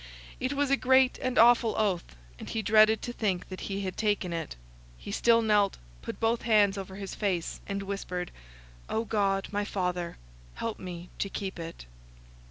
It was a great and awful oath, and he dreaded to think that he had taken it. He still knelt, put both hands over his face, and whispered, "O God, my Father, help me to keep it."